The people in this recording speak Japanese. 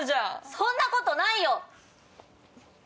そんなことないよ！